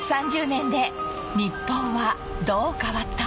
３０年で日本はどう変わった？